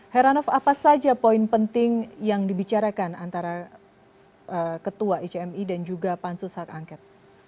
heranov apa saja poin penting yang dibicarakan antara ketua icmi dan juga pansus hak angket